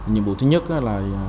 nhiệm vụ thứ nhất là